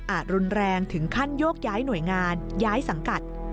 รุนแรงถึงขั้นโยกย้ายหน่วยงานย้ายสังกัด